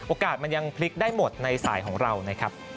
มันยังพลิกได้หมดในสายของเรานะครับ